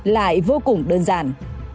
lại vô cùng đơn giản